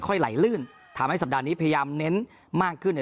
ไหลลื่นทำให้สัปดาห์นี้พยายามเน้นมากขึ้น